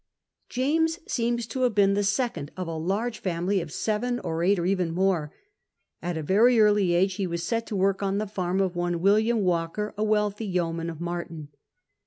B 2 CAPTAIN COOK CHAP. James seems to have been the second of a large family of seven or eight/ or even more. At a very early ago he was set to work on the farm of one William Walker, a wealthy yeoman of Maiton.